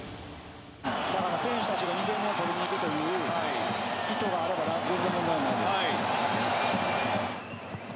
選手たちが２点目を取りに行くという意図があれば全然問題はないです。